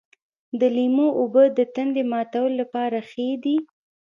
د لیمو اوبه د تندې ماتولو لپاره ښې دي.